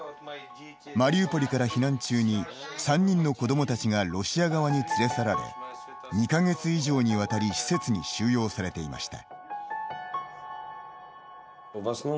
マリウポリから避難中に３人の子どもたちがロシア側に連れ去られ、２か月以上にわたり施設に収容されていました。